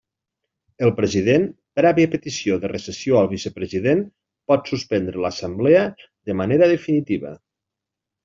El president, prèvia petició de recessió al vicepresident, pot suspendre l'Assemblea de manera definitiva.